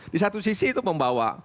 di satu sisi itu membawa